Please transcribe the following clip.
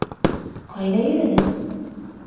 Ҡайҙа йөрөнөң?